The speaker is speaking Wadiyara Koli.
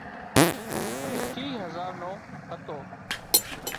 اي ٽِيهه هزار نو هتو